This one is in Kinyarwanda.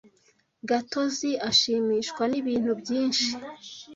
Gatozi ashimishwa nibintu byinshi.